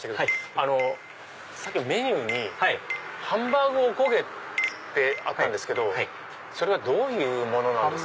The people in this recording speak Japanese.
メニューにハンバーグ・おこげあったんですけどそれはどういうものなんですか？